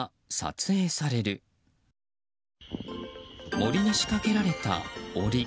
森に仕掛けられた檻。